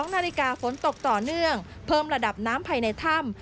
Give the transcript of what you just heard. ๒นาฬิกาฝนตกต่อเนื่องเพิ่มระดับน้ำภายในถ้ำ